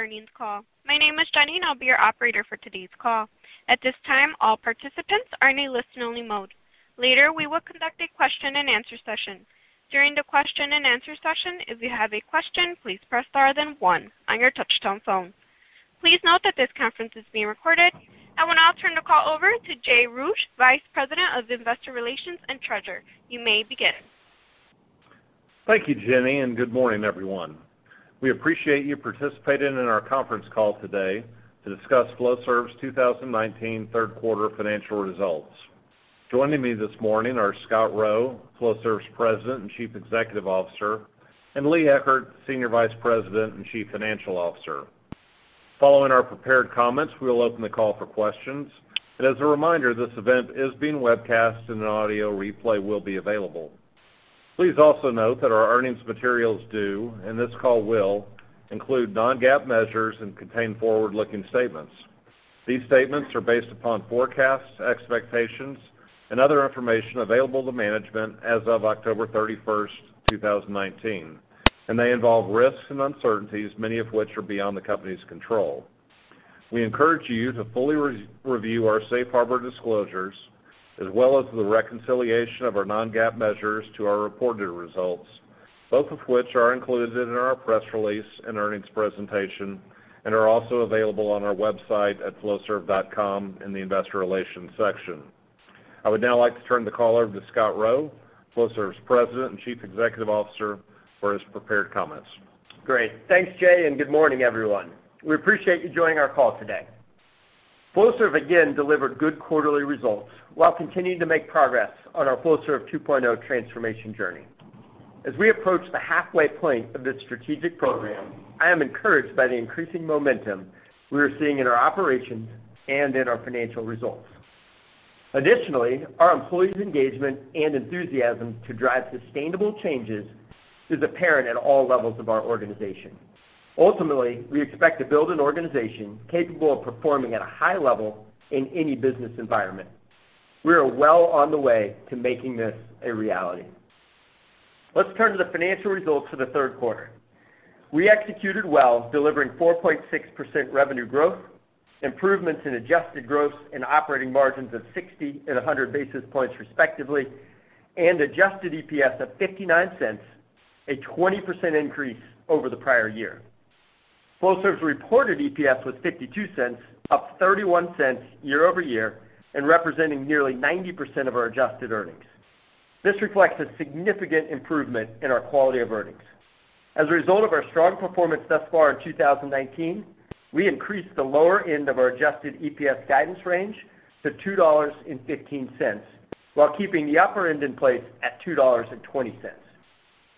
three earnings call. My name is Jenny, and I'll be your operator for today's call. At this time, all participants are in a listen only mode. Later, we will conduct a question and answer session. During the question and answer session, if you have a question, please press star then one on your touch-tone phone. Please note that this conference is being recorded. I will now turn the call over to Jay Roueche, Vice President of Investor Relations and Treasurer. You may begin. Thank you, Jenny. Good morning, everyone. We appreciate you participating in our conference call today to discuss Flowserve's 2019 third quarter financial results. Joining me this morning are Scott Rowe, Flowserve President and Chief Executive Officer, and Lee Eckert, Senior Vice President and Chief Financial Officer. Following our prepared comments, we will open the call for questions. As a reminder, this event is being webcast and an audio replay will be available. Please also note that our earnings materials do, and this call will, include non-GAAP measures and contain forward-looking statements. These statements are based upon forecasts, expectations, and other information available to management as of October 31st, 2019, and they involve risks and uncertainties, many of which are beyond the company's control. We encourage you to fully review our safe harbor disclosures, as well as the reconciliation of our non-GAAP measures to our reported results, both of which are included in our press release and earnings presentation, and are also available on our website at flowserve.com in the investor relations section. I would now like to turn the call over to Scott Rowe, Flowserve's President and Chief Executive Officer, for his prepared comments. Great. Thanks, Jay, and good morning, everyone. We appreciate you joining our call today. Flowserve again delivered good quarterly results while continuing to make progress on our Flowserve 2.0 transformation journey. As we approach the halfway point of this strategic program, I am encouraged by the increasing momentum we are seeing in our operations and in our financial results. Additionally, our employees' engagement and enthusiasm to drive sustainable changes is apparent at all levels of our organization. Ultimately, we expect to build an organization capable of performing at a high level in any business environment. We are well on the way to making this a reality. Let's turn to the financial results for the third quarter. We executed well, delivering 4.6% revenue growth, improvements in adjusted gross and operating margins of 60 and 100 basis points respectively, and adjusted EPS of $0.59, a 20% increase over the prior year. Flowserve's reported EPS was $0.52, up $0.31 year-over-year, and representing nearly 90% of our adjusted earnings. This reflects a significant improvement in our quality of earnings. As a result of our strong performance thus far in 2019, we increased the lower end of our adjusted EPS guidance range to $2.15 while keeping the upper end in place at $2.20.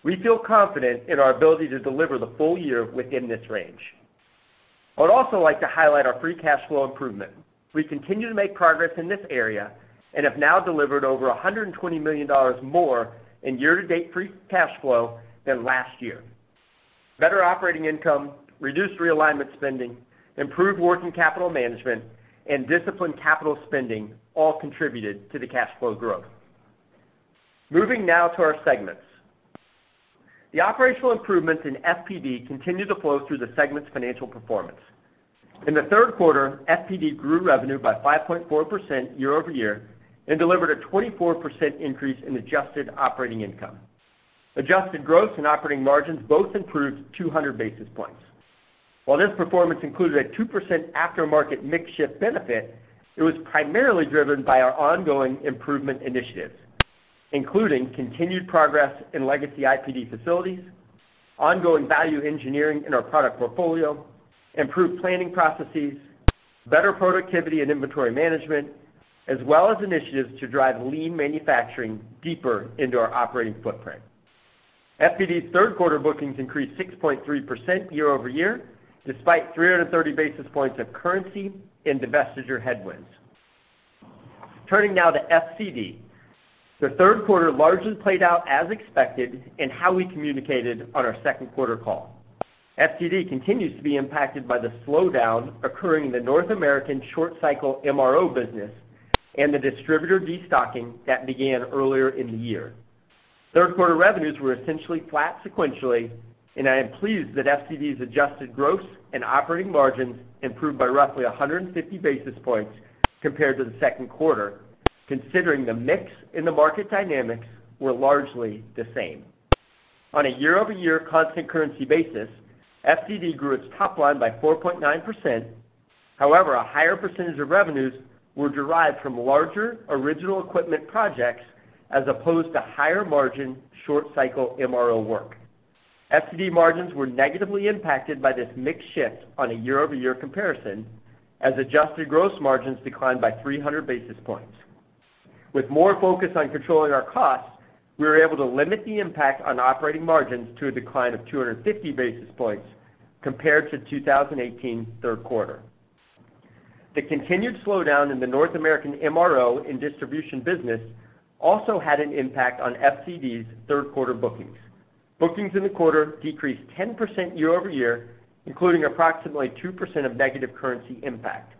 We feel confident in our ability to deliver the full year within this range. I would also like to highlight our free cash flow improvement. We continue to make progress in this area and have now delivered over $120 million more in year-to-date free cash flow than last year. Better operating income, reduced realignment spending, improved working capital management, and disciplined capital spending all contributed to the cash flow growth. Moving now to our segments. The operational improvements in FPD continue to flow through the segment's financial performance. In the third quarter, FPD grew revenue by 5.4% year-over-year and delivered a 24% increase in adjusted operating income. Adjusted gross and operating margins both improved 200 basis points. While this performance included a 2% aftermarket mix shift benefit, it was primarily driven by our ongoing improvement initiatives, including continued progress in legacy IPD facilities, ongoing value engineering in our product portfolio, improved planning processes, better productivity and inventory management, as well as initiatives to drive lean manufacturing deeper into our operating footprint. FPD's third quarter bookings increased 6.3% year-over-year, despite 330 basis points of currency and divestiture headwinds. Turning now to FCD. The third quarter largely played out as expected in how we communicated on our second quarter call. FCD continues to be impacted by the slowdown occurring in the North American short cycle MRO business and the distributor destocking that began earlier in the year. Third quarter revenues were essentially flat sequentially. I am pleased that FCD's adjusted gross and operating margins improved by roughly 150 basis points compared to the second quarter, considering the mix in the market dynamics were largely the same. On a year-over-year constant currency basis, FCD grew its top line by 4.9%. A higher percentage of revenues were derived from larger original equipment projects as opposed to higher margin short cycle MRO work. FCD margins were negatively impacted by this mix shift on a year-over-year comparison, as adjusted gross margins declined by 300 basis points. With more focus on controlling our costs, we were able to limit the impact on operating margins to a decline of 250 basis points compared to 2018's third quarter. The continued slowdown in the North American MRO and distribution business also had an impact on FCD's third quarter bookings. Bookings in the quarter decreased 10% year-over-year, including approximately 2% of negative currency impact.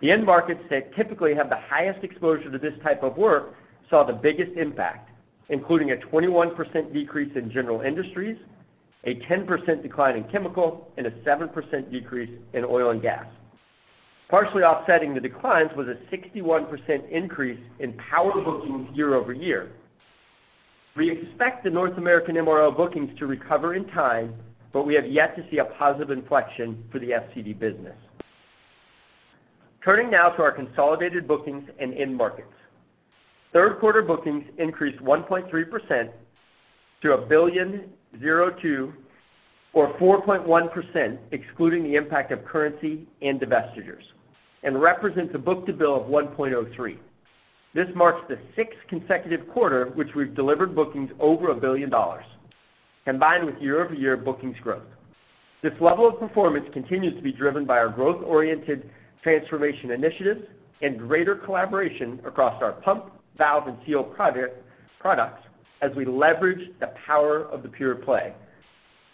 The end markets that typically have the highest exposure to this type of work saw the biggest impact, including a 21% decrease in general industries, a 10% decline in chemical, and a 7% decrease in oil and gas. Partially offsetting the declines was a 61% increase in power bookings year-over-year. We expect the North American MRO bookings to recover in time, but we have yet to see a positive inflection for the FCD business. Turning now to our consolidated bookings and end markets. Third quarter bookings increased 1.3% to $1.02 billion, or 4.1%, excluding the impact of currency and divestitures, and represents a book-to-bill of 1.03. This marks the sixth consecutive quarter which we've delivered bookings over $1 billion, combined with year-over-year bookings growth. This level of performance continues to be driven by our growth-oriented transformation initiatives and greater collaboration across our pump, valve, and seal products as we leverage the power of the pure play.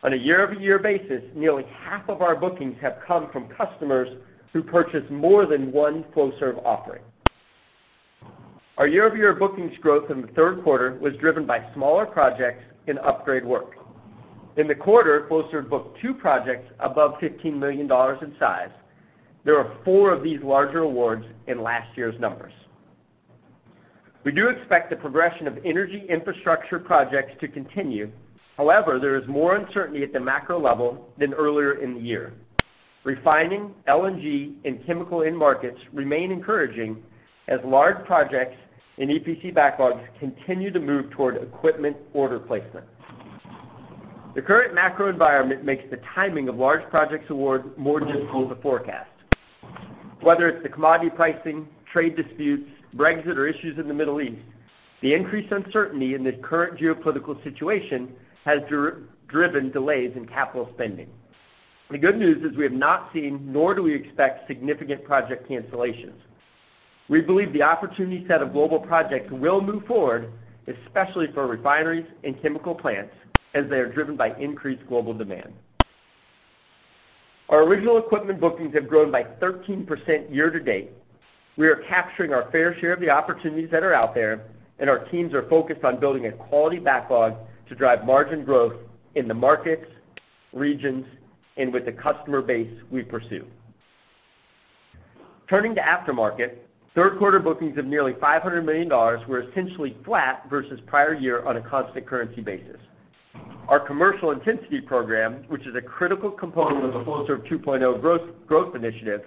On a year-over-year basis, nearly half of our bookings have come from customers who purchase more than one Flowserve offering. Our year-over-year bookings growth in the third quarter was driven by smaller projects and upgrade work. In the quarter, Flowserve booked two projects above $15 million in size. There are four of these larger awards in last year's numbers. We do expect the progression of energy infrastructure projects to continue. However, there is more uncertainty at the macro level than earlier in the year. Refining, LNG, and chemical end markets remain encouraging as large projects and EPC backlogs continue to move toward equipment order placement. The current macro environment makes the timing of large projects awards more difficult to forecast. Whether it's the commodity pricing, trade disputes, Brexit, or issues in the Middle East, the increased uncertainty in the current geopolitical situation has driven delays in capital spending. The good news is we have not seen, nor do we expect significant project cancellations. We believe the opportunity set of global projects will move forward, especially for refineries and chemical plants, as they are driven by increased global demand. Our original equipment bookings have grown by 13% year-to-date. We are capturing our fair share of the opportunities that are out there, and our teams are focused on building a quality backlog to drive margin growth in the markets, regions, and with the customer base we pursue. Turning to aftermarket, third quarter bookings of nearly $500 million were essentially flat versus prior year on a constant currency basis. Our commercial intensity program, which is a critical component of the Flowserve 2.0 growth initiative,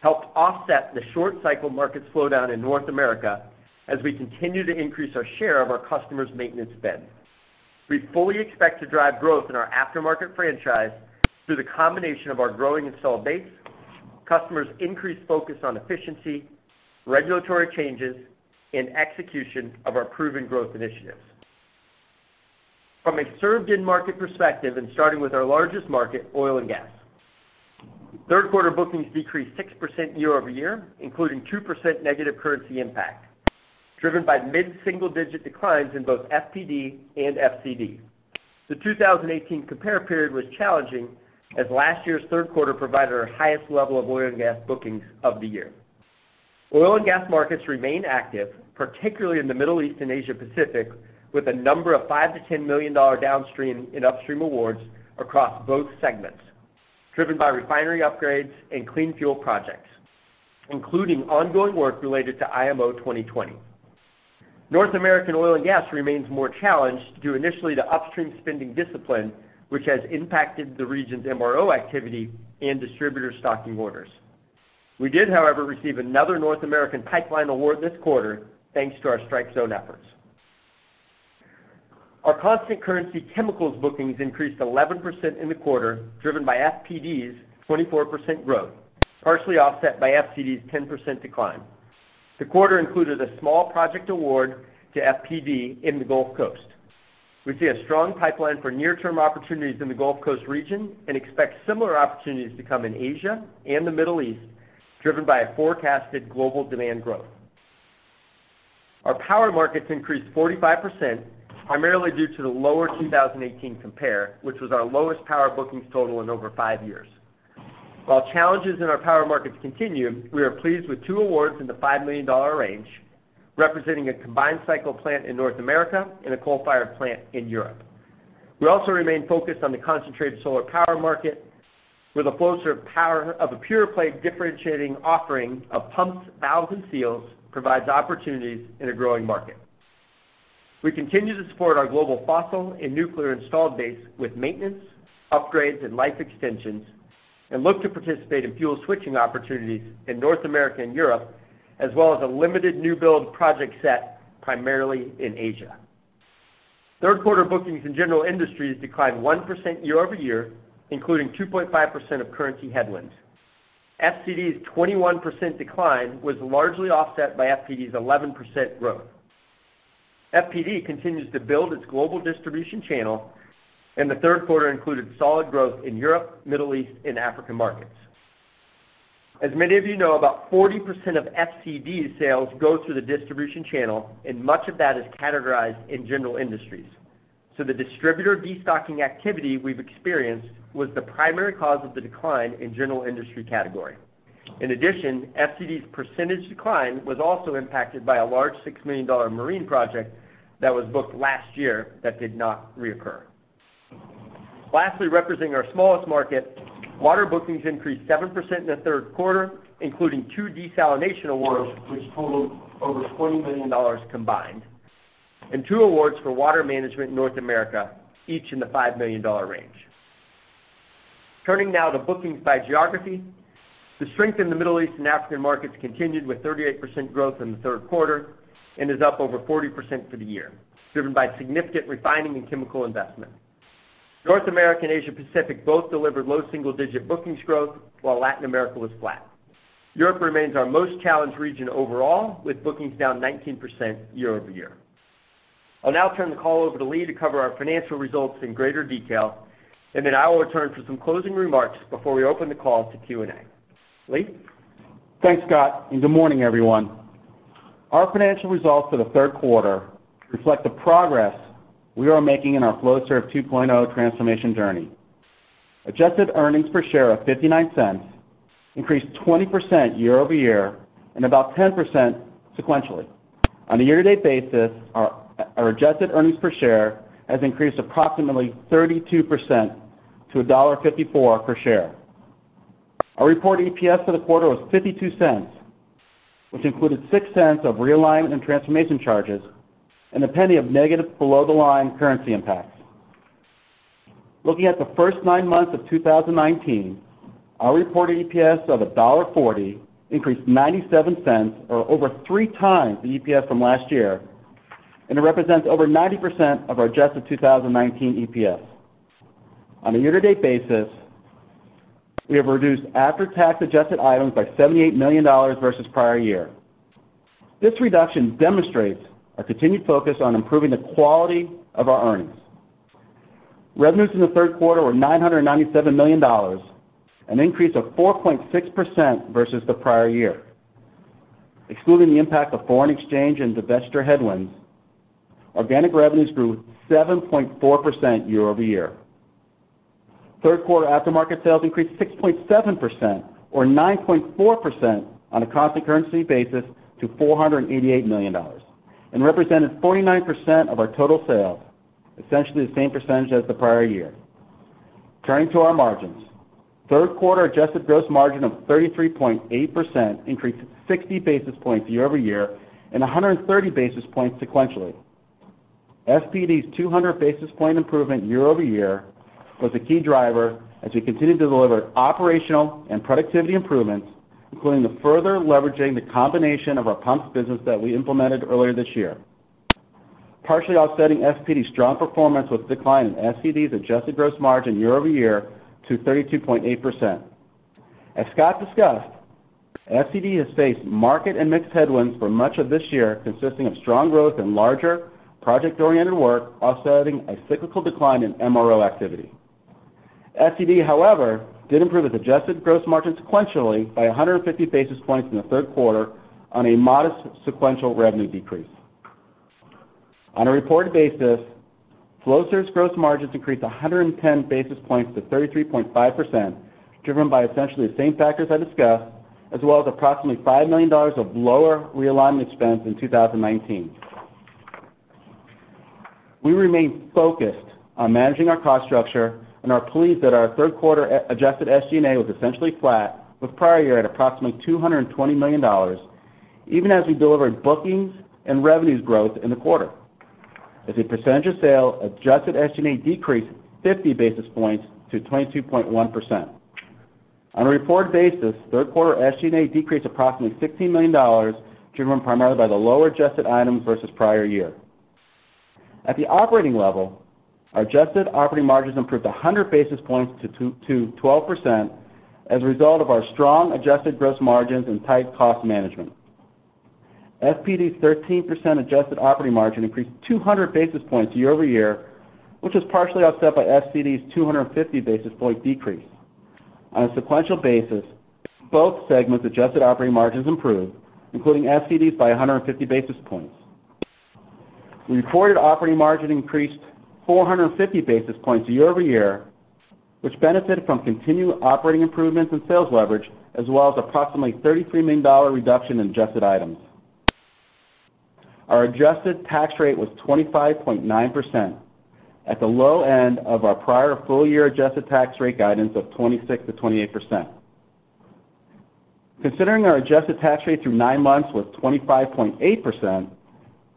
helped offset the short cycle markets slowdown in North America as we continue to increase our share of our customers' maintenance spend. We fully expect to drive growth in our aftermarket franchise through the combination of our growing installed base, customers' increased focus on efficiency, regulatory changes, and execution of our proven growth initiatives. From a served end market perspective and starting with our largest market, oil and gas. Third quarter bookings decreased 6% year-over-year, including 2% negative currency impact, driven by mid-single-digit declines in both FPD and FCD. The 2018 compare period was challenging, as last year's third quarter provided our highest level of oil and gas bookings of the year. Oil and gas markets remain active, particularly in the Middle East and Asia Pacific, with a number of $5 million to $10 million downstream and upstream awards across both segments, driven by refinery upgrades and clean fuel projects, including ongoing work related to IMO 2020. North American oil and gas remains more challenged due initially to upstream spending discipline, which has impacted the region's MRO activity and distributor stocking orders. We did, however, receive another North American pipeline award this quarter, thanks to our StrikeZone efforts. Our constant currency chemicals bookings increased 11% in the quarter, driven by FPD's 24% growth, partially offset by FCD's 10% decline. The quarter included a small project award to FPD in the Gulf Coast. We see a strong pipeline for near-term opportunities in the Gulf Coast region and expect similar opportunities to come in Asia and the Middle East, driven by a forecasted global demand growth. Our power markets increased 45%, primarily due to the lower 2018 compare, which was our lowest power bookings total in over five years. While challenges in our power markets continue, we are pleased with two awards in the $5 million range, representing a combined cycle plant in North America and a coal-fired plant in Europe. We also remain focused on the concentrated solar power market, where the Flowserve power of a pure play differentiating offering of pumps, valves, and seals provides opportunities in a growing market. We continue to support our global fossil and nuclear installed base with maintenance, upgrades, and life extensions, and look to participate in fuel switching opportunities in North America and Europe, as well as a limited new build project set primarily in Asia. Third quarter bookings in general industries declined 1% year-over-year, including 2.5% of currency headwinds. FCD's 21% decline was largely offset by FPD's 11% growth. FPD continues to build its global distribution channel, and the third quarter included solid growth in Europe, Middle East, and Africa markets. As many of you know, about 40% of FCD sales go through the distribution channel, and much of that is categorized in general industries. The distributor destocking activity we've experienced was the primary cause of the decline in general industry category. In addition, FCD's percentage decline was also impacted by a large $6 million marine project that was booked last year that did not reoccur. Lastly, representing our smallest market, water bookings increased 7% in the third quarter, including two desalination awards, which totaled over $40 million combined, and two awards for Water Management North America, each in the $5 million range. Turning now to bookings by geography. The strength in the Middle East and African markets continued with 38% growth in the third quarter and is up over 40% for the year, driven by significant refining and chemical investment. North America and Asia Pacific both delivered low single-digit bookings growth, while Latin America was flat. Europe remains our most challenged region overall, with bookings down 19% year-over-year. I'll now turn the call over to Lee to cover our financial results in greater detail, and then I will return for some closing remarks before we open the call to Q&A. Lee? Thanks, Scott, and good morning, everyone. Our financial results for the third quarter reflect the progress we are making in our Flowserve 2.0 transformation journey. Adjusted earnings per share of $0.59 increased 20% year-over-year and about 10% sequentially. On a year-to-date basis, our adjusted earnings per share has increased approximately 32% to $1.54 per share. Our reported EPS for the quarter was $0.52, which included $0.06 of realignment and transformation charges and $0.01 of negative below-the-line currency impacts. Looking at the first nine months of 2019, our reported EPS of $1.40 increased $0.97 or over 3 times the EPS from last year, and it represents over 90% of our adjusted 2019 EPS. On a year-to-date basis, we have reduced after-tax adjusted items by $78 million versus the prior year. This reduction demonstrates our continued focus on improving the quality of our earnings. Revenues in the third quarter were $997 million, an increase of 4.6% versus the prior year. Excluding the impact of foreign exchange and divestiture headwinds, organic revenues grew 7.4% year-over-year. Third quarter aftermarket sales increased 6.7% or 9.4% on a constant currency basis to $488 million and represented 49% of our total sales, essentially the same percentage as the prior year. Turning to our margins. Third quarter adjusted gross margin of 33.8% increased 60 basis points year-over-year and 130 basis points sequentially. FPD's 200 basis point improvement year-over-year was a key driver as we continued to deliver operational and productivity improvements, including the further leveraging the combination of our pumps business that we implemented earlier this year. Partially offsetting FPD's strong performance was the decline in FCD's adjusted gross margin year-over-year to 32.8%. As Scott discussed, FCD has faced market and mixed headwinds for much of this year, consisting of strong growth and larger project-oriented work offsetting a cyclical decline in MRO activity. FCD, however, did improve its adjusted gross margin sequentially by 150 basis points in the third quarter on a modest sequential revenue decrease. On a reported basis, Flowserve's gross margins increased 110 basis points to 33.5%, driven by essentially the same factors I discussed, as well as approximately $5 million of lower realignment expense in 2019. We remain focused on managing our cost structure and are pleased that our third quarter adjusted SG&A was essentially flat with prior year at approximately $220 million, even as we delivered bookings and revenues growth in the quarter. As a percentage of sale, adjusted SG&A decreased 50 basis points to 22.1%. On a reported basis, third quarter SG&A decreased approximately $16 million, driven primarily by the lower adjusted items versus the prior year. At the operating level, our adjusted operating margins improved 100 basis points to 12% as a result of our strong adjusted gross margins and tight cost management. FPD's 13% adjusted operating margin increased 200 basis points year-over-year, which was partially offset by FCD's 250 basis point decrease. On a sequential basis, both segments' adjusted operating margins improved, including FCD's by 150 basis points. The reported operating margin increased 450 basis points year-over-year, which benefited from continued operating improvements in sales leverage, as well as approximately $33 million reduction in adjusted items. Our adjusted tax rate was 25.9%, at the low end of our prior full-year adjusted tax rate guidance of 26%-28%. Considering our adjusted tax rate through nine months was 25.8%,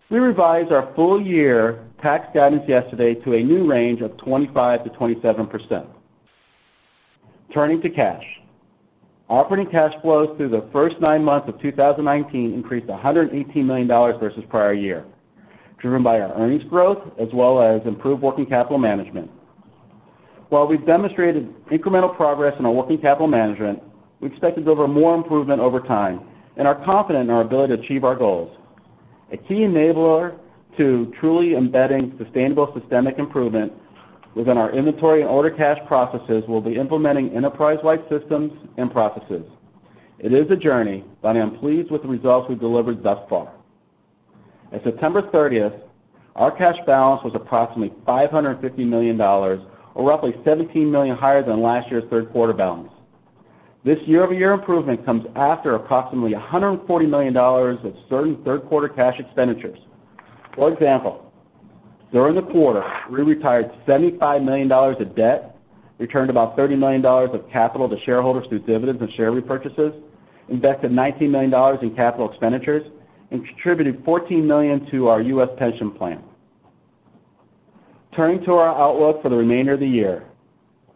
we revised our full-year tax guidance yesterday to a new range of 25%-27%. Turning to cash. Operating cash flows through the first nine months of 2019 increased $118 million versus the prior year, driven by our earnings growth as well as improved working capital management. While we've demonstrated incremental progress in our working capital management, we expect to deliver more improvement over time and are confident in our ability to achieve our goals. A key enabler to truly embedding sustainable systemic improvement within our inventory and order cash processes will be implementing enterprise-wide systems and processes. It is a journey, but I am pleased with the results we've delivered thus far. At September 30th, our cash balance was approximately $550 million, or roughly $17 million higher than last year's third quarter balance. This year-over-year improvement comes after approximately $140 million of certain third quarter cash expenditures. For example, during the quarter, we retired $75 million of debt, returned about $30 million of capital to shareholders through dividends and share repurchases, invested $19 million in capital expenditures, and contributed $14 million to our U.S. pension plan. Turning to our outlook for the remainder of the year.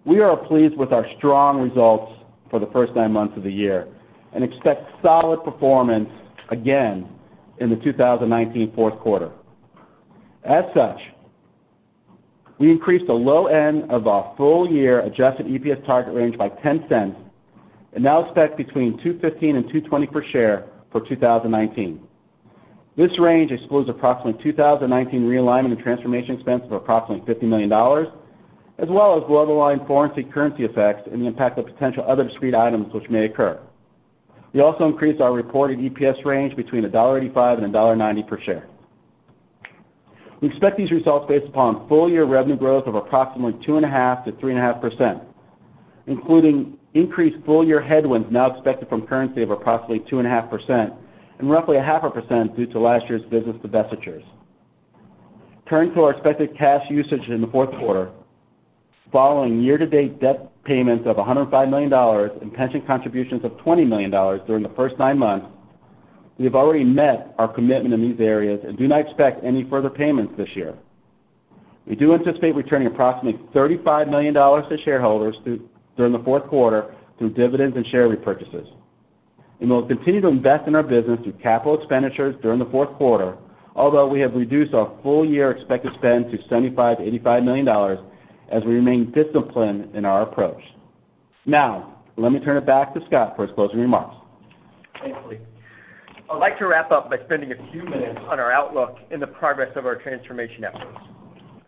We are pleased with our strong results for the first nine months of the year and expect solid performance again in the 2019 fourth quarter. As such, we increased the low end of our full-year adjusted EPS target range by $0.10 and now expect between $2.15 and $2.20 per share for 2019. This range excludes approximately 2019 realignment and transformation expense of approximately $50 million, as well as below-the-line foreign and currency effects and the impact of potential other discrete items which may occur. We also increased our reported EPS range between $1.85 and $1.90 per share. We expect these results based upon full-year revenue growth of approximately 2.5%-3.5%, including increased full-year headwinds now expected from currency of approximately 2.5% and roughly 0.5% due to last year's business divestitures. Turning to our expected cash usage in the fourth quarter. Following year-to-date debt payments of $105 million and pension contributions of $20 million during the first nine months, we have already met our commitment in these areas and do not expect any further payments this year. We do anticipate returning approximately $35 million to shareholders during the fourth quarter through dividends and share repurchases. We'll continue to invest in our business through capital expenditures during the fourth quarter, although we have reduced our full-year expected spend to $75 million-$85 million as we remain disciplined in our approach. Let me turn it back to Scott for his closing remarks. Thanks, Lee. I'd like to wrap up by spending a few minutes on our outlook and the progress of our transformation efforts.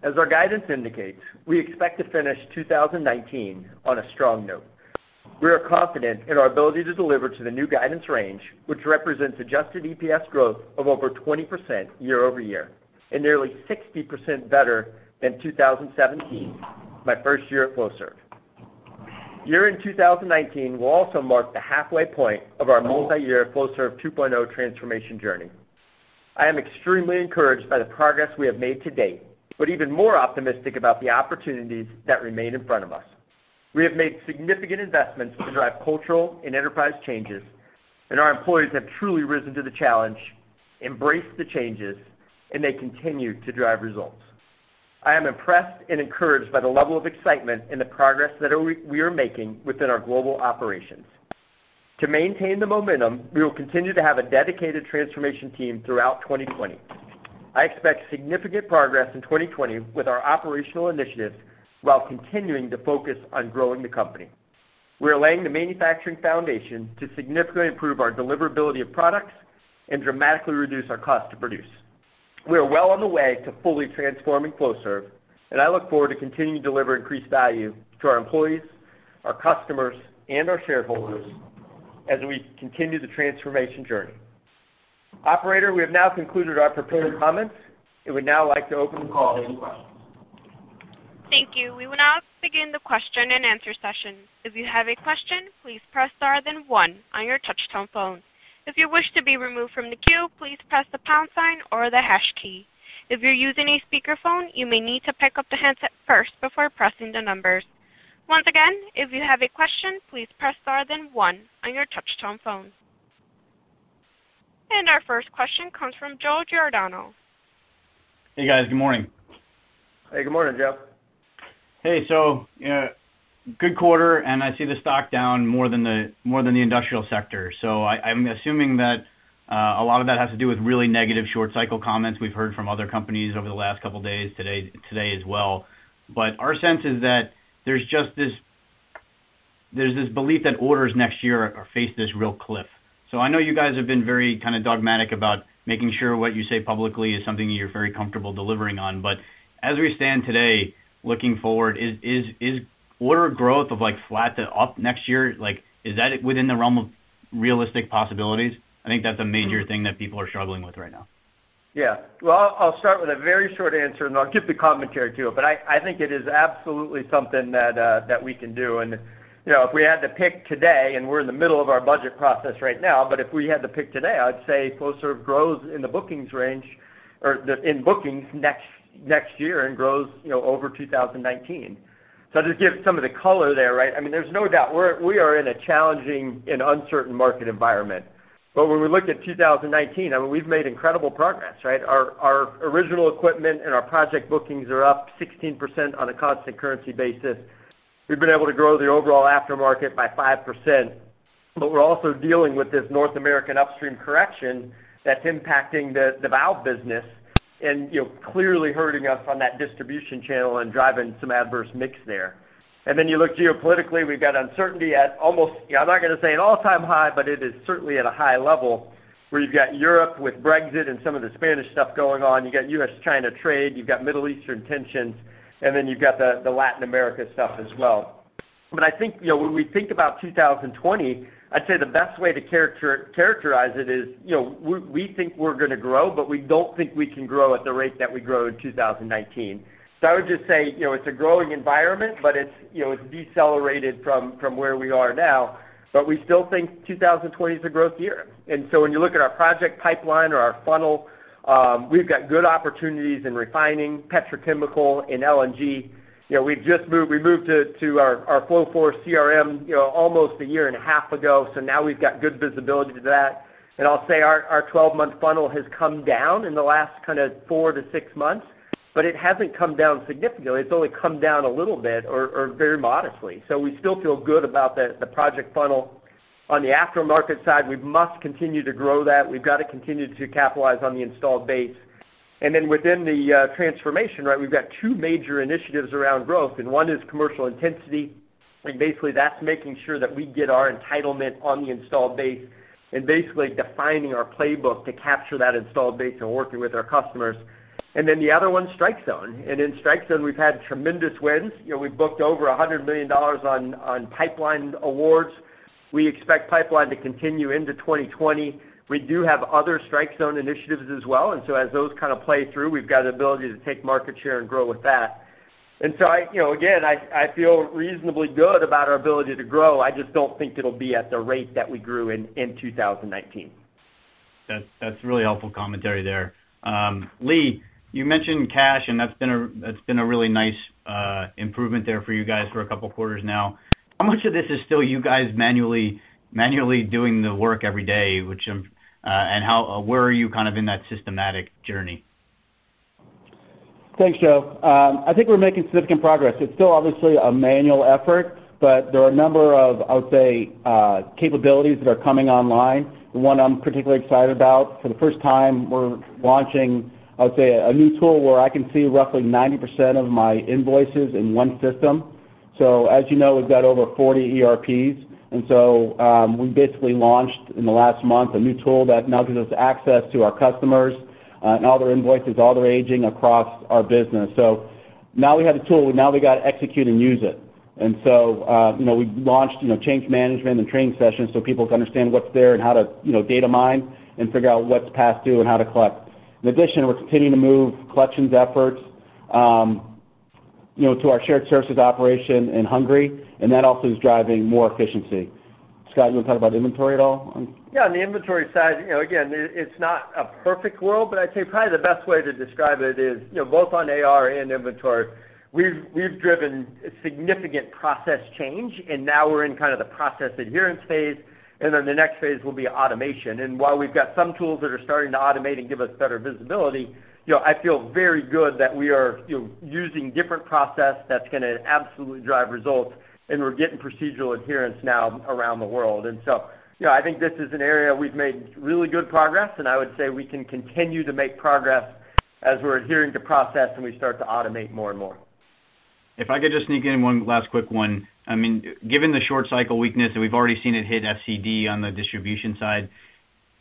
As our guidance indicates, we expect to finish 2019 on a strong note. We are confident in our ability to deliver to the new guidance range, which represents adjusted EPS growth of over 20% year-over-year, and nearly 60% better than 2017, my first year at Flowserve. The year in 2019 will also mark the halfway point of our multi-year Flowserve 2.0 transformation journey. I am extremely encouraged by the progress we have made to date, but even more optimistic about the opportunities that remain in front of us. We have made significant investments to drive cultural and enterprise changes, and our employees have truly risen to the challenge, embraced the changes, and they continue to drive results. I am impressed and encouraged by the level of excitement and the progress that we are making within our global operations. To maintain the momentum, we will continue to have a dedicated transformation team throughout 2020. I expect significant progress in 2020 with our operational initiatives while continuing to focus on growing the company. We are laying the manufacturing foundation to significantly improve our deliverability of products and dramatically reduce our cost to produce. We are well on the way to fully transforming Flowserve, and I look forward to continuing to deliver increased value to our employees, our customers, and our shareholders as we continue the transformation journey. Operator, we have now concluded our prepared comments and would now like to open the call to any questions. Thank you. We would now like to begin the question and answer session. If you have a question, please press star then one on your touch-tone phone. If you wish to be removed from the queue, please press the pound sign or the hash key. If you're using a speakerphone, you may need to pick up the handset first before pressing the numbers. Once again, if you have a question, please press star then one on your touch-tone phone. Our first question comes from Joe Giordano. Hey, guys. Good morning. Hey, good morning, Joe. Hey. Good quarter, and I see the stock down more than the industrial sector. I'm assuming that a lot of that has to do with really negative short cycle comments we've heard from other companies over the last couple days, today as well. Our sense is that there's this belief that orders next year face this real cliff. I know you guys have been very dogmatic about making sure what you say publicly is something that you're very comfortable delivering on. As we stand today, looking forward, is order growth of flat to up next year, is that within the realm of realistic possibilities? I think that's a major thing that people are struggling with right now. Yeah. Well, I'll start with a very short answer, and I'll give the commentary to it. I think it is absolutely something that we can do. If we had to pick today, and we're in the middle of our budget process right now, but if we had to pick today, I'd say Flowserve grows in bookings next year and grows over 2019. Just to give some of the color there, right? There's no doubt we are in a challenging and uncertain market environment. When we look at 2019, we've made incredible progress, right? Our original equipment and our project bookings are up 16% on a constant currency basis. We've been able to grow the overall aftermarket by 5%, but we're also dealing with this North American upstream correction that's impacting the valve business and clearly hurting us on that distribution channel and driving some adverse mix there. Then you look geopolitically, we've got uncertainty at almost, I'm not going to say an all-time high, but it is certainly at a high level, where you've got Europe with Brexit and some of the Spanish stuff going on. You got U.S.-China trade, you've got Middle Eastern tensions, and then you've got the Latin America stuff as well. I think when we think about 2020, I'd say the best way to characterize it is, we think we're going to grow, but we don't think we can grow at the rate that we grew in 2019. I would just say, it's a growing environment, but it's decelerated from where we are now. We still think 2020 is a growth year. When you look at our project pipeline or our funnel, we've got good opportunities in refining petrochemical in LNG. We moved to our FlowForce CRM almost a year and a half ago, so now we've got good visibility to that. I'll say our 12-month funnel has come down in the last four to six months, but it hasn't come down significantly. It's only come down a little bit or very modestly. We still feel good about the project funnel. On the aftermarket side, we must continue to grow that. We've got to continue to capitalize on the installed base. Within the transformation, we've got two major initiatives around growth, and one is commercial intensity. Basically, that's making sure that we get our entitlement on the installed base and basically defining our playbook to capture that installed base and working with our customers. The other one, StrikeZone. In StrikeZone, we've had tremendous wins. We've booked over $100 million on pipeline awards. We expect pipeline to continue into 2020. We do have other StrikeZone initiatives as well, and so as those play through, we've got an ability to take market share and grow with that. Again, I feel reasonably good about our ability to grow. I just don't think it'll be at the rate that we grew in 2019. That's really helpful commentary there. Lee, you mentioned cash, and that's been a really nice improvement there for you guys for a couple of quarters now. How much of this is still you guys manually doing the work every day, and where are you in that systematic journey? Thanks, Joe. I think we're making significant progress. It's still obviously a manual effort, but there are a number of, I would say, capabilities that are coming online. The one I'm particularly excited about, for the first time, we're launching, I would say, a new tool where I can see roughly 90% of my invoices in one system. As you know, we've got over 40 ERPs, and so, we basically launched in the last month a new tool that now gives us access to our customers, and all their invoices, all their aging across our business. Now we have the tool, now we got to execute and use it. We launched change management and training sessions so people can understand what's there and how to data mine and figure out what's past due and how to collect. In addition, we're continuing to move collections efforts to our shared services operation in Hungary, and that also is driving more efficiency. Scott, you want to talk about inventory at all? Yeah, on the inventory side, again, it's not a perfect world, but I'd say probably the best way to describe it is, both on AR and inventory, we've driven significant process change. Now we're in the process adherence phase. Then the next phase will be automation. While we've got some tools that are starting to automate and give us better visibility, I feel very good that we are using different process that's going to absolutely drive results, and we're getting procedural adherence now around the world. I think this is an area we've made really good progress, and I would say we can continue to make progress as we're adhering to process and we start to automate more and more. If I could just sneak in one last quick one. Given the short cycle weakness, and we've already seen it hit FCD on the distribution side,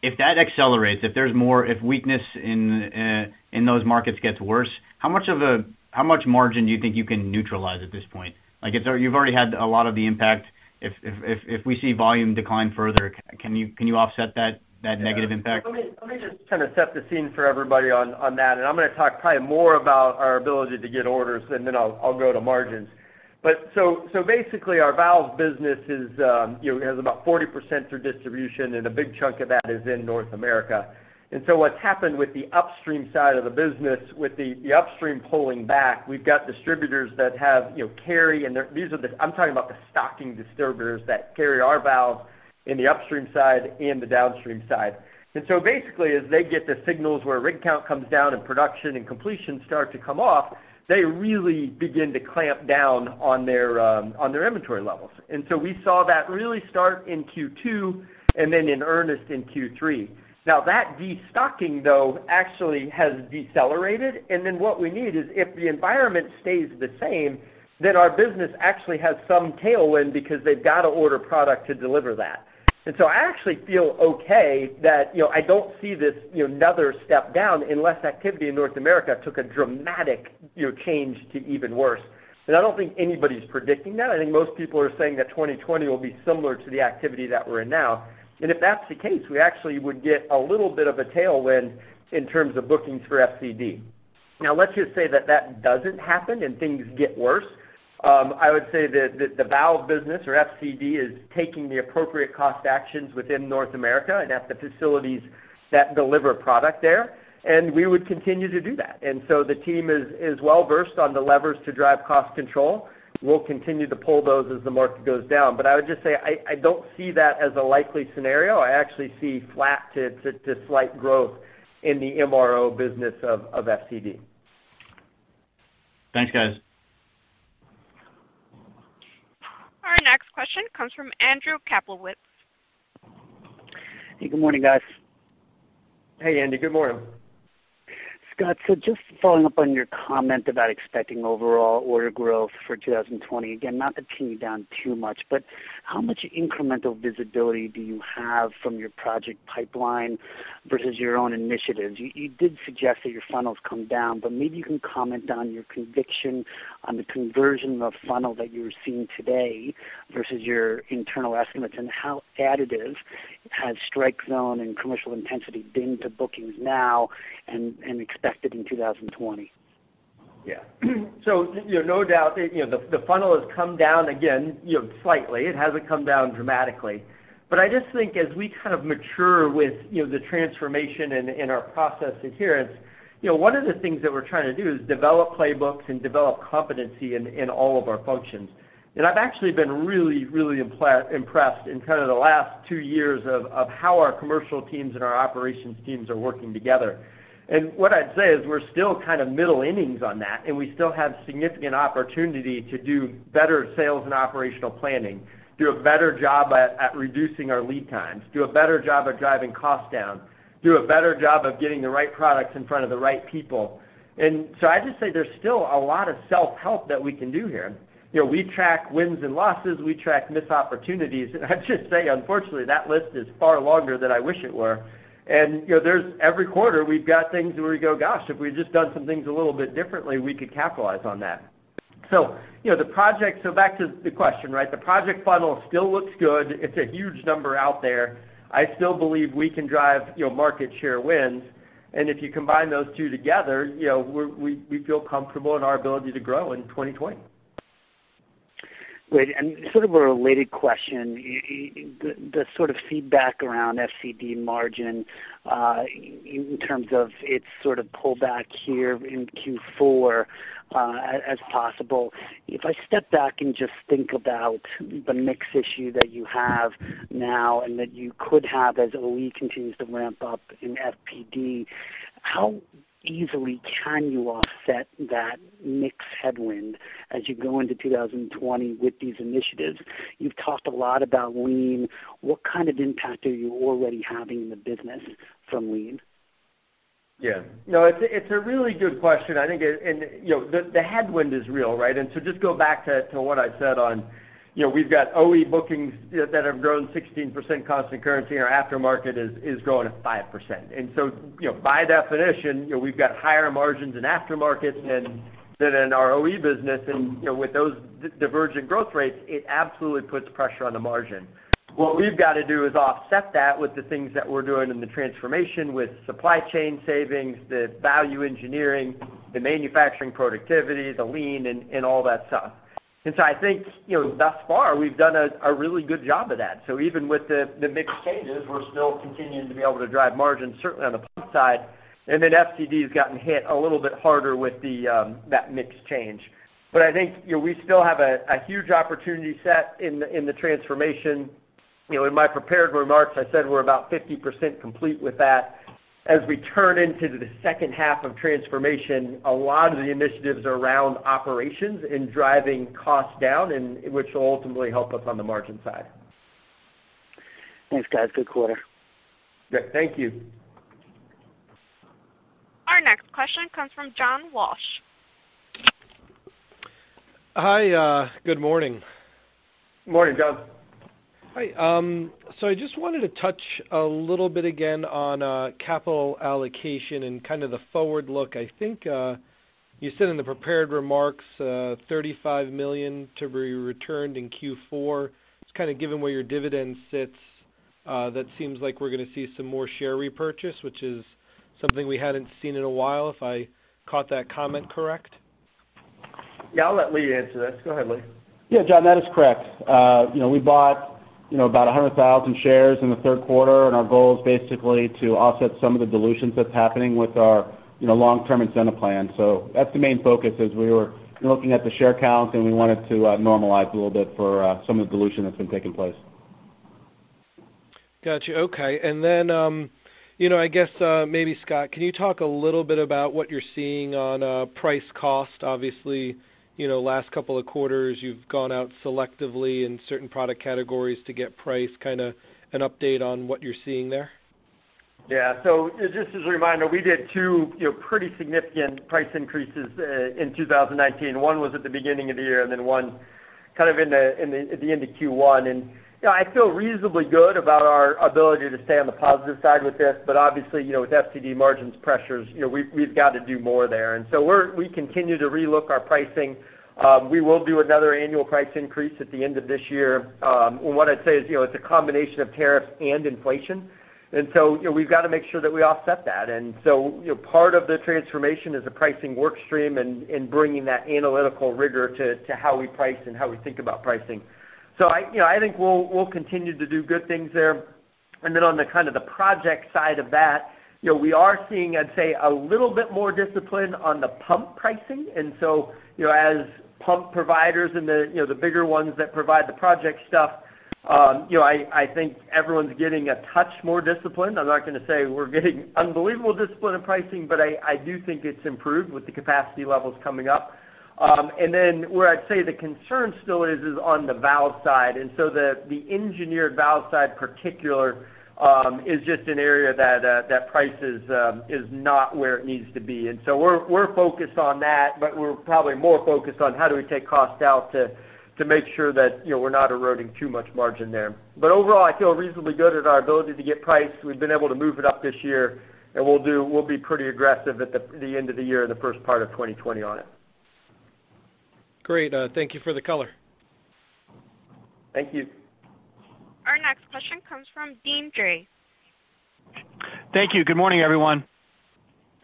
if that accelerates, if weakness in those markets gets worse, how much margin do you think you can neutralize at this point? You've already had a lot of the impact. If we see volume decline further, can you offset that negative impact? Let me just set the scene for everybody on that, and I'm going to talk probably more about our ability to get orders, and then I'll go to margins. Basically, our valve business has about 40% through distribution, and a big chunk of that is in North America. What's happened with the upstream side of the business, with the upstream pulling back, we've got distributors that carry, and I'm talking about the stocking distributors that carry our valve in the upstream side and the downstream side. Basically, as they get the signals where rig count comes down and production and completion start to come off, they really begin to clamp down on their inventory levels. We saw that really start in Q2 and then in earnest in Q3. Now that de-stocking, though, actually has decelerated, and then what we need is if the environment stays the same, then our business actually has some tailwind because they've got to order product to deliver that. I actually feel okay that I don't see this another step down unless activity in North America took a dramatic change to even worse. I don't think anybody's predicting that. I think most people are saying that 2020 will be similar to the activity that we're in now. If that's the case, we actually would get a little bit of a tailwind in terms of bookings for FCD. Now, let's just say that that doesn't happen and things get worse. I would say that the valve business or FCD is taking the appropriate cost actions within North America and at the facilities that deliver product there, and we would continue to do that. The team is well-versed on the levers to drive cost control. We'll continue to pull those as the market goes down. I would just say I don't see that as a likely scenario. I actually see flat to slight growth in the MRO business of FCD. Thanks, guys. Our next question comes from Andrew Kaplowitz. Hey, good morning, guys. Hey, Andy. Good morning. Scott, just following up on your comment about expecting overall order growth for 2020. Again, not to pin you down too much, how much incremental visibility do you have from your project pipeline versus your own initiatives? You did suggest that your funnel's come down, maybe you can comment on your conviction on the conversion of funnel that you're seeing today versus your internal estimates and how additive has StrikeZone and commercial intensity been to bookings now and expected in 2020? Yeah. No doubt, the funnel has come down again, slightly. It hasn't come down dramatically. I just think as we kind of mature with the transformation and our process adherence, one of the things that we're trying to do is develop playbooks and develop competency in all of our functions. I've actually been really, really impressed in kind of the last two years of how our commercial teams and our operations teams are working together. What I'd say is we're still kind of middle innings on that, and we still have significant opportunity to do better sales and operational planning, do a better job at reducing our lead times, do a better job at driving costs down, do a better job of getting the right products in front of the right people. I'd just say there's still a lot of self-help that we can do here. We track wins and losses. We track missed opportunities. I'd just say, unfortunately, that list is far longer than I wish it were. Every quarter, we've got things where we go, "Gosh, if we'd just done some things a little bit differently, we could capitalize on that." Back to the question, right? The project funnel still looks good. It's a huge number out there. I still believe we can drive market share wins. If you combine those two together, we feel comfortable in our ability to grow in 2020. Great. Sort of a related question. The sort of feedback around FCD margin, in terms of its sort of pull back here in Q4 as possible. If I step back and just think about the mix issue that you have now and that you could have as OE continues to ramp up in FPD, how easily can you offset that mix headwind as you go into 2020 with these initiatives? You've talked a lot about lean. What kind of impact are you already having in the business from lean? It's a really good question. The headwind is real, right? Just go back to what I said, we've got OE bookings that have grown 16% constant currency and our aftermarket is growing at 5%. By definition, we've got higher margins in aftermarket than in our OE business. With those divergent growth rates, it absolutely puts pressure on the margin. What we've got to do is offset that with the things that we're doing in the transformation with supply chain savings, the value engineering, the manufacturing productivity, the lean, and all that stuff. I think thus far, we've done a really good job of that. Even with the mix changes, we're still continuing to be able to drive margins, certainly on the pump side. FCD's gotten hit a little bit harder with that mix change. I think we still have a huge opportunity set in the transformation. In my prepared remarks, I said we're about 50% complete with that. As we turn into the second half of transformation, a lot of the initiatives around operations and driving costs down, which will ultimately help us on the margin side. Thanks, guys. Good quarter. Yeah. Thank you. Our next question comes from John Walsh. Hi, good morning. Morning, John. Hi. I just wanted to touch a little bit again on capital allocation and kind of the forward look. I think you said in the prepared remarks, $35 million to be returned in Q4. Just kind of given where your dividend sits, that seems like we're going to see some more share repurchase, which is something we hadn't seen in a while, if I caught that comment correct. Yeah, I'll let Lee answer this. Go ahead, Lee. Yeah, John, that is correct. We bought about 100,000 shares in the third quarter, and our goal is basically to offset some of the dilutions that's happening with our long-term incentive plan. That's the main focus as we were looking at the share count, and we wanted to normalize a little bit for some of the dilution that's been taking place. Got you. Okay. I guess maybe Scott, can you talk a little bit about what you're seeing on price cost? Obviously, last couple of quarters, you've gone out selectively in certain product categories to get price, kind of an update on what you're seeing there. Just as a reminder, we did two pretty significant price increases in 2019. One was at the beginning of the year, and then one kind of at the end of Q1. I feel reasonably good about our ability to stay on the positive side with this. Obviously, with FCD margins pressures, we've got to do more there. We continue to re-look our pricing. We will do another annual price increase at the end of this year. What I'd say is it's a combination of tariffs and inflation. We've got to make sure that we offset that. Part of the transformation is the pricing work stream and bringing that analytical rigor to how we price and how we think about pricing. I think we'll continue to do good things there. On the kind of the project side of that, we are seeing, I'd say, a little bit more discipline on the pump pricing. As pump providers and the bigger ones that provide the project stuff, I think everyone's getting a touch more disciplined. I'm not going to say we're getting unbelievable discipline in pricing, but I do think it's improved with the capacity levels coming up. Where I'd say the concern still is on the valve side. The engineered valve side particular is just an area that price is not where it needs to be. We're focused on that, but we're probably more focused on how do we take cost out to make sure that we're not eroding too much margin there. Overall, I feel reasonably good at our ability to get price. We've been able to move it up this year, and we'll be pretty aggressive at the end of the year and the first part of 2020 on it. Great. Thank you for the color. Thank you. Our next question comes from Deane Dray. Thank you. Good morning, everyone.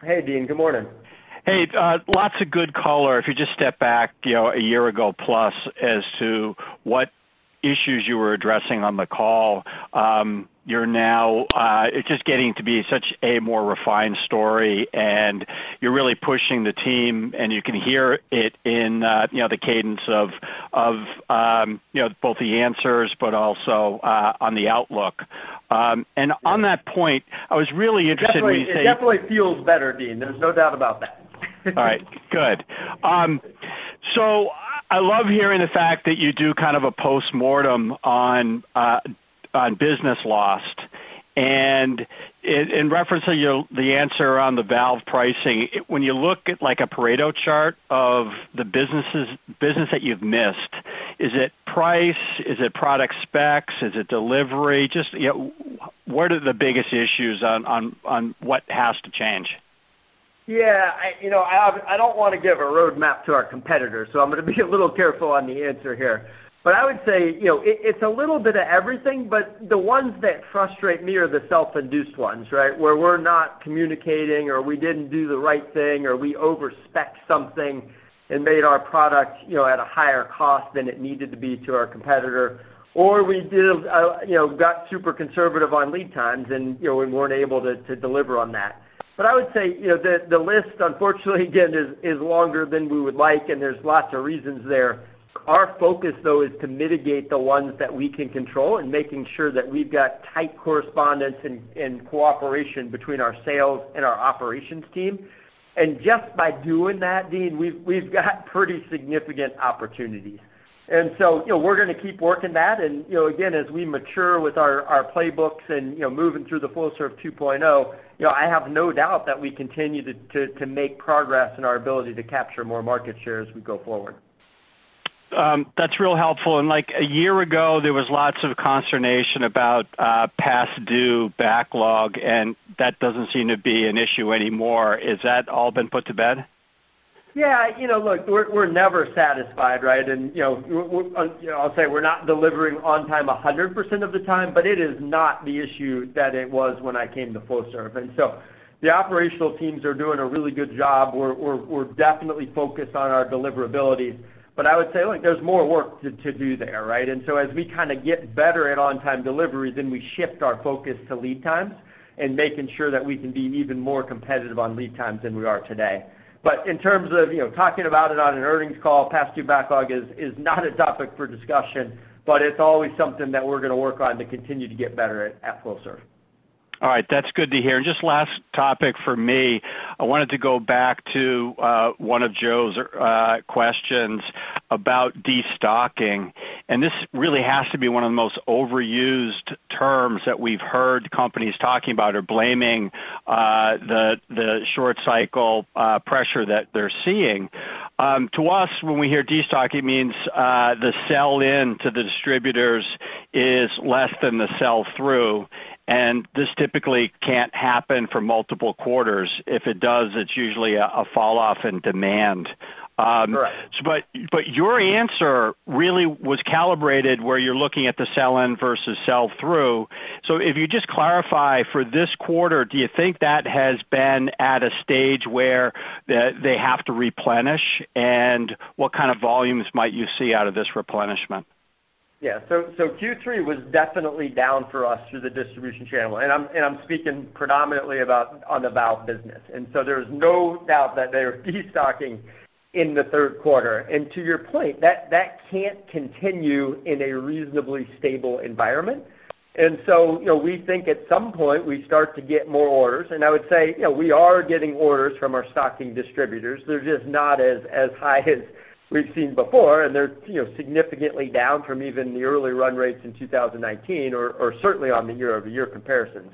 Hey, Deane. Good morning. Hey, lots of good color. If you just step back a year ago plus as to what issues you were addressing on the call, it is just getting to be such a more refined story, and you are really pushing the team, and you can hear it in the cadence of both the answers, but also on the outlook. On that point, I was really interested when you say. It definitely feels better, Deane. There's no doubt about that. All right, good. I love hearing the fact that you do kind of a postmortem on business lost. In reference to the answer on the valve pricing, when you look at a Pareto chart of the business that you've missed, is it price? Is it product specs? Is it delivery? Just what are the biggest issues on what has to change? Yeah. I don't want to give a roadmap to our competitors, so I'm going to be a little careful on the answer here. I would say it's a little bit of everything, but the ones that frustrate me are the self-induced ones, right? Where we're not communicating, or we didn't do the right thing, or we over-spec'd something and made our product at a higher cost than it needed to be to our competitor. We got super conservative on lead times, and we weren't able to deliver on that. I would say, the list, unfortunately, again, is longer than we would like, and there's lots of reasons there. Our focus, though, is to mitigate the ones that we can control and making sure that we've got tight correspondence and cooperation between our sales and our operations team. Just by doing that, Deane, we've got pretty significant opportunities. We're going to keep working that and, again, as we mature with our playbooks and moving through the Flowserve 2.0, I have no doubt that we continue to make progress in our ability to capture more market share as we go forward. That's real helpful. A year ago, there was lots of consternation about past due backlog, and that doesn't seem to be an issue anymore. Has that all been put to bed? Yeah, look, we're never satisfied, right? I'll say we're not delivering on time 100% of the time, but it is not the issue that it was when I came to Flowserve. The operational teams are doing a really good job. We're definitely focused on our deliverability. I would say, look, there's more work to do there, right? As we kind of get better at on-time delivery, then we shift our focus to lead times and making sure that we can be even more competitive on lead times than we are today. In terms of talking about it on an earnings call, past due backlog is not a topic for discussion, but it's always something that we're going to work on to continue to get better at Flowserve. All right. That's good to hear. Just last topic for me. I wanted to go back to one of Joe's questions about destocking. This really has to be one of the most overused terms that we've heard companies talking about or blaming the short cycle pressure that they're seeing. To us, when we hear destocking, means the sell in to the distributors is less than the sell through, and this typically can't happen for multiple quarters. If it does, it's usually a fall off in demand. Correct. Your answer really was calibrated where you are looking at the sell in versus sell through. If you just clarify, for this quarter, do you think that has been at a stage where they have to replenish? What kind of volumes might you see out of this replenishment? Yeah. Q3 was definitely down for us through the distribution channel, and I'm speaking predominantly on the valve business. There's no doubt that they were destocking in the 3rd quarter. To your point, that can't continue in a reasonably stable environment. We think at some point we start to get more orders. I would say, we are getting orders from our stocking distributors. They're just not as high as we've seen before, and they're significantly down from even the early run rates in 2019 or certainly on the year-over-year comparisons.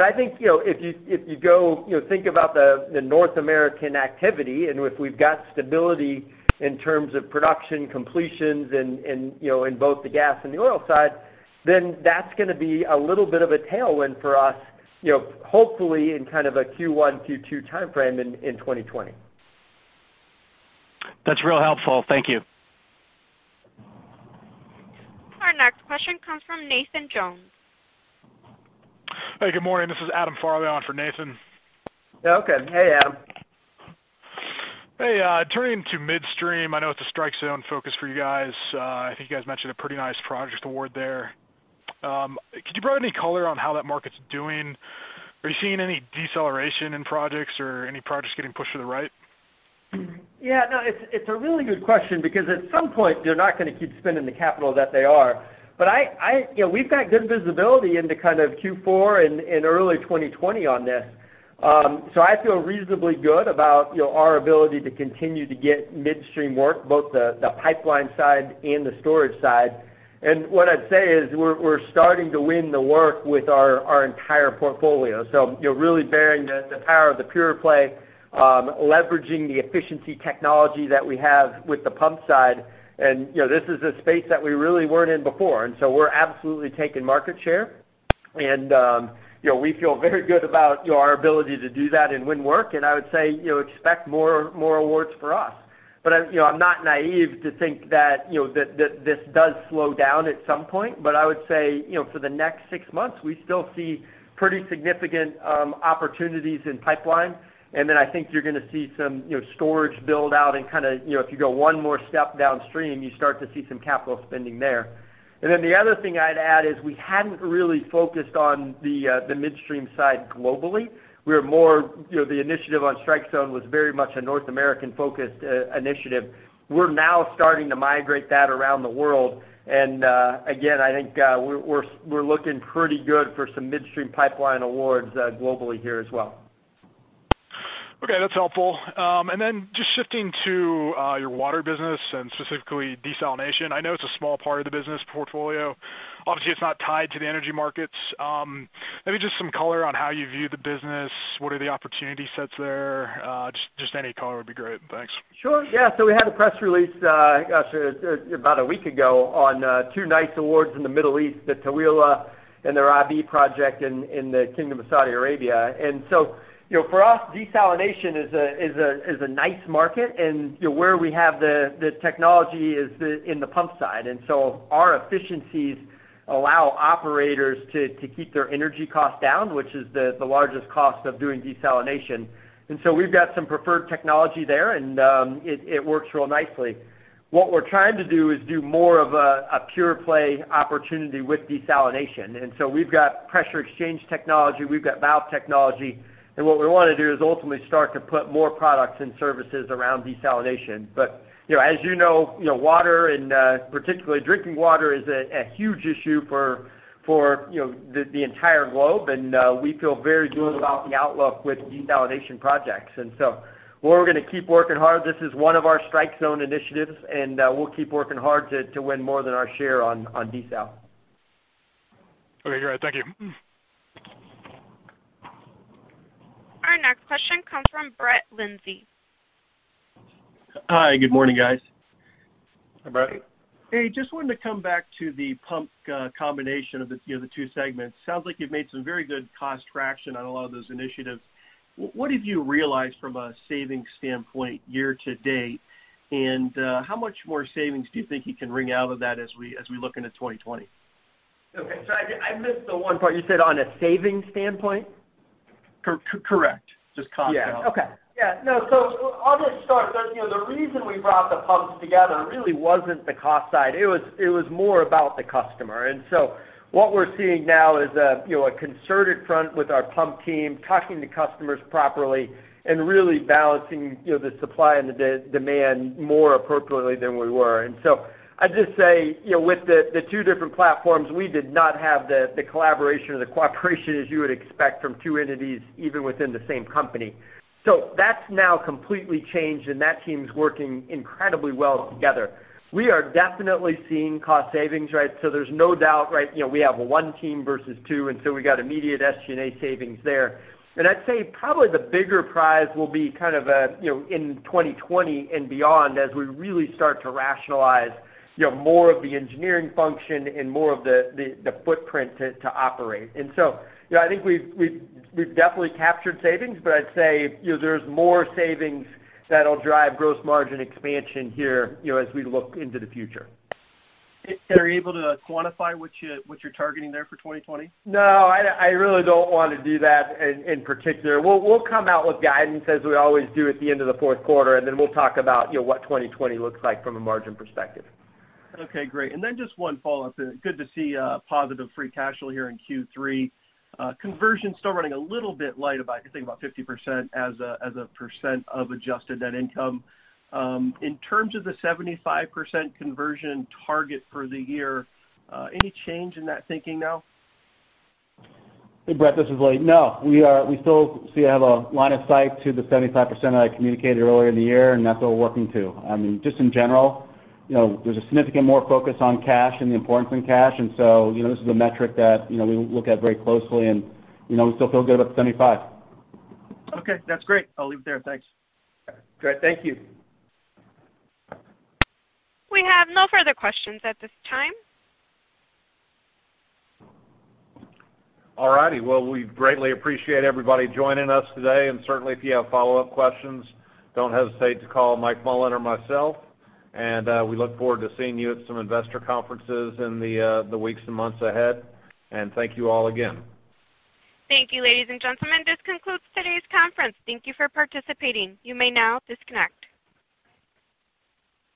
I think, if you think about the North American activity, and if we've got stability in terms of production completions and in both the gas and the oil side, then that's going to be a little bit of a tailwind for us, hopefully in kind of a Q1, Q2 timeframe in 2020. That's real helpful. Thank you. Our next question comes from Nathan Jones. Hey, good morning. This is Adam Farley on for Nathan. Okay. Hey, Adam. Hey, turning to midstream, I know it's a StrikeZone focus for you guys. I think you guys mentioned a pretty nice project award there. Could you provide any color on how that market's doing? Are you seeing any deceleration in projects or any projects getting pushed to the right? Yeah, no, it's a really good question because at some point, they're not going to keep spending the capital that they are. We've got good visibility into kind of Q4 and early 2020 on this. I feel reasonably good about our ability to continue to get midstream work, both the pipeline side and the storage side. What I'd say is we're starting to win the work with our entire portfolio. Really bearing the power of the pure play, leveraging the efficiency technology that we have with the pump side, and this is a space that we really weren't in before, we're absolutely taking market share. We feel very good about our ability to do that and win work. I would say, expect more awards for us. I'm not naive to think that this does slow down at some point. I would say, for the next six months, we still see pretty significant opportunities in pipeline, and then I think you're going to see some storage build-out. If you go one more step downstream, you start to see some capital spending there. The other thing I'd add is we hadn't really focused on the midstream side globally. The initiative on StrikeZone was very much a North American-focused initiative. We're now starting to migrate that around the world, and again, I think we're looking pretty good for some midstream pipeline awards globally here as well. Okay, that's helpful. Just shifting to your water business, and specifically desalination. I know it's a small part of the business portfolio. Obviously, it's not tied to the energy markets. Maybe just some color on how you view the business. What are the opportunity sets there? Just any color would be great. Thanks. Sure, yeah. We had a press release, gosh, about a week ago on two nice awards in the Middle East, the Taweelah and the Rabigh project in the Kingdom of Saudi Arabia. For us, desalination is a nice market, and where we have the technology is in the pump side. Our efficiencies allow operators to keep their energy cost down, which is the largest cost of doing desalination. We've got some preferred technology there, and it works real nicely. What we're trying to do is do more of a pure play opportunity with desalination. We've got pressure exchange technology, we've got valve technology. What we want to do is ultimately start to put more products and services around desalination. As you know, water, and particularly drinking water, is a huge issue for the entire globe, and we feel very good about the outlook with desalination projects. We're going to keep working hard. This is one of our StrikeZone initiatives, and we'll keep working hard to win more than our share on desal. Okay, great. Thank you. Our next question comes from Brett Lindsey. Hi, good morning, guys. Hi, Brett. Hey, just wanted to come back to the pump combination of the two segments. Sounds like you've made some very good cost traction on a lot of those initiatives. What have you realized from a savings standpoint year to date, and how much more savings do you think you can wring out of that as we look into 2020? Okay. I missed the one part. You said on a savings standpoint? Correct. Just cost out. Yeah. Okay. Yeah, no. I'll just start. The reason we brought the pumps together really wasn't the cost side. It was more about the customer. What we're seeing now is a concerted front with our pump team, talking to customers properly, and really balancing the supply and the demand more appropriately than we were. I'd just say, with the two different platforms, we did not have the collaboration or the cooperation as you would expect from two entities, even within the same company. That's now completely changed, and that team's working incredibly well together. We are definitely seeing cost savings, right? There's no doubt, right? We have one team versus two, and so we got immediate SG&A savings there. I'd say probably the bigger prize will be in 2020 and beyond, as we really start to rationalize more of the engineering function and more of the footprint to operate. I think we've definitely captured savings. I'd say there's more savings that'll drive gross margin expansion here as we look into the future. Are you able to quantify what you're targeting there for 2020? No, I really don't want to do that in particular. We'll come out with guidance as we always do at the end of the fourth quarter, and then we'll talk about what 2020 looks like from a margin perspective. Okay, great. Just one follow-up. Good to see positive free cash flow here in Q3. Conversion still running a little bit light. I think about 50% as a percent of adjusted net income. In terms of the 75% conversion target for the year, any change in that thinking now? Hey, Brett, this is Lee. No. We still have a line of sight to the 75% that I communicated earlier in the year, and that's what we're working to. Just in general, there's a significant more focus on cash and the importance on cash. This is a metric that we look at very closely, and we still feel good about the 75. Okay, that's great. I'll leave it there. Thanks. Great. Thank you. We have no further questions at this time. All righty. Well, we greatly appreciate everybody joining us today. Certainly, if you have follow-up questions, don't hesitate to call Mike Mullin or myself, and we look forward to seeing you at some investor conferences in the weeks and months ahead. Thank you all again. Thank you, ladies and gentlemen. This concludes today's conference. Thank you for participating. You may now disconnect.